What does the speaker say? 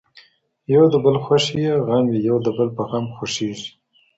یو د بل خوښي یې غم وي یو د بل په غم خوښیږي